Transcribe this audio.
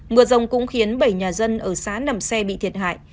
mưa rồng cũng khiến bảy nhà dân ở xã nầm xe bị thiệt hại